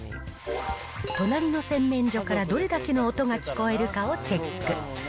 隣の洗面所からどれだけの音が聞こえるかをチェック。